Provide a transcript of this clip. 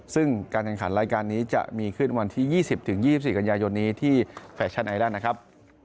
ซึ่งการแข่งขันรายการนี้จะมีขึ้นวันที่๒๐๒๔กันยายนนี้ที่แฟชั่นไอแล้วนะครับ